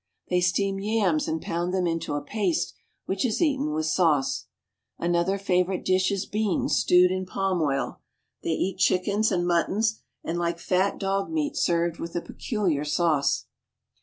They steam yams ^nd pound them into a paste which is eaten with sauce. Another favorite dish is beans stewed in palm oil ; they [ipat chickens and mutton, and like fat dog meat served tarith a peculiar sauce.